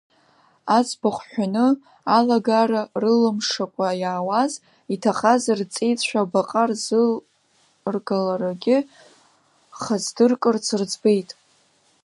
Аӡбахә ҳәаны, алагара рылымшакәа иаауаз, иҭахаз рҵеицәа абаҟа рзыргыларагьы хацдыркырц рыӡбеит.